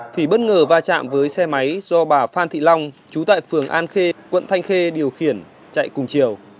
thì bất ngờ va chạm với xe máy do bà phan thị long chú tại phường an khê quận thanh khê điều khiển chạy cùng chiều